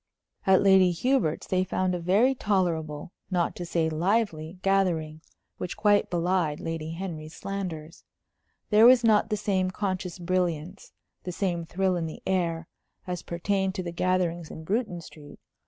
At Lady Hubert's they found a very tolerable, not to say lively, gathering, which quite belied Lady Henry's slanders. There was not the same conscious brilliance, the same thrill in the air, as pertained to the gatherings in Bruton Street.